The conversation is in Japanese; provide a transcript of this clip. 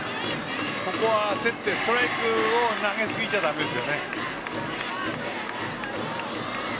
ここは焦ってストライク投げすぎちゃだめです。